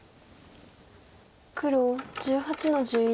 黒１８の十一。